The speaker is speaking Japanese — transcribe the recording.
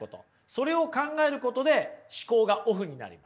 それを考えることで思考がオフになります。